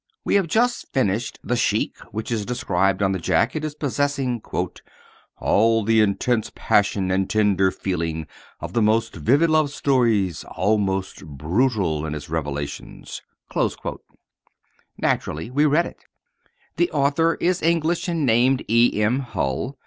We have just finished "The Sheik," which is described on the jacket as possessing "ALL the intense passion and tender feeling of the most vivid love stories, almost brutal in its revelations." Naturally, we read it. The author is English and named E. M. Hull.